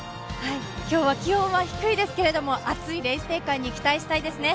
今日は気温は低いですけれども、熱いレース展開に期待したいですね。